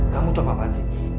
kamu tau apaan sih